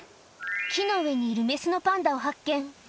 木の上にいる雌のパンダを発見。